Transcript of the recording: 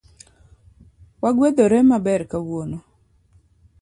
Wagwedhore maber kawuono